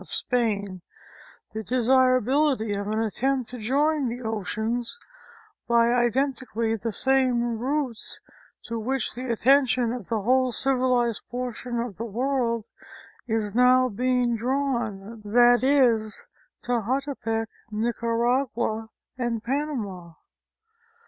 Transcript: of Spain the desirability of an attempt to join the oceans by identically the same routes to which the attention of the whole civilized portion of the world is now being drawn, that is, Tehauntepec, Nicaragua and Panama.